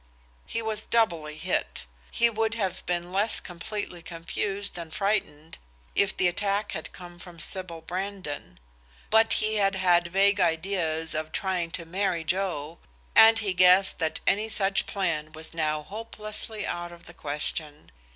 He was doubly hit. He would have been less completely confused and frightened if the attack had come from Sybil Brandon; but he had had vague ideas of trying to marry Joe, and he guessed that any such plan was now hopelessly out of the question.